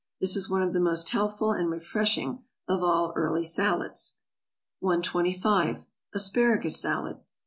This is one of the most healthful and refreshing of all early salads. 125. =Asparagus Salad.